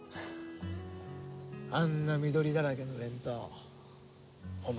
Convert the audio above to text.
あんな緑だらけの弁当お前